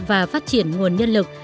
và phát triển nguồn nhân lực